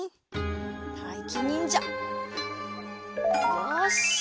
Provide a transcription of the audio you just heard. たいきにんじゃよし。